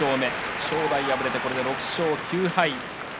正代、敗れてこれで６勝９敗。